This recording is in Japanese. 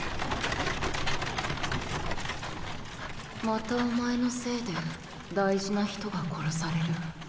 またお前のせいで大事な人が殺される